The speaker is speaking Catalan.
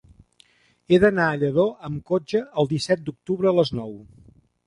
He d'anar a Lladó amb cotxe el disset d'octubre a les nou.